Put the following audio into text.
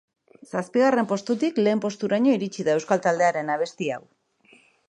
Zazpigarren postutik lehen posturaino iritsi da euskal taldearen abesti hau.